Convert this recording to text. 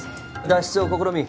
・脱出を試み